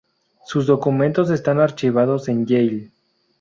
Sus documentos están archivados en Yale.